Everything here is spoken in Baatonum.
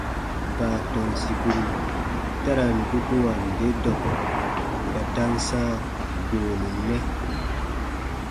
Baatɔn sìkuru ta ra n dukuwa nde dɔkɔ kpa ta n sãa goonu nɛ.